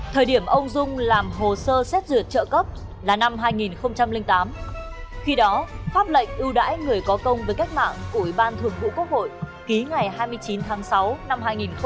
thời điểm ông dung làm hồ sơ xét dượt trợ cấp là năm hai nghìn tám khi đó pháp lệnh ưu đãi người có công với cách mạng của ủy ban thượng vụ quốc hội ký ngày hai mươi chín tháng sáu năm hai nghìn năm